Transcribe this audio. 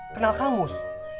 kenal kang mus